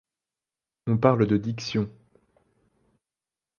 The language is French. On parle de diction !